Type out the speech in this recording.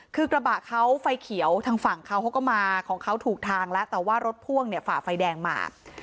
คือกระบะเขาไฟเขียวทางฝั่งเขาเขาก็มาของเขาถูกทางแล้วแต่ว่ารถพ่วงเนี่ยฝ่าไฟแดงมา